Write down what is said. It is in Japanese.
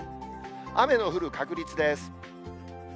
雨の降る確率です。